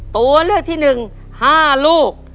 ตัวเลือกที่หนึ่ง๕ลูก